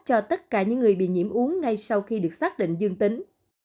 cho tất cả những người bị nhiễm uống ngay sau khi được xác định dương tính